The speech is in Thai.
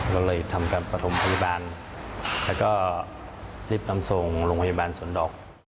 ก็เลยทำการประถมพยาบาลแล้วก็รีบนำส่งโรงพยาบาลสวนดอก